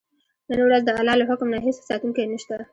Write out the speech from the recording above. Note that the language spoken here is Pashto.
نن ورځ د الله له حکم نه هېڅوک ساتونکی نه شته.